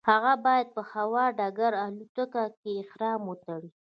هغه باید په هوایي ډګر یا الوتکه کې احرام وتړي.